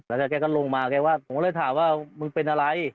แล้วก็แกก็ลงมาแกว่าผมก็เลยถามว่ามึงเป็นอะไร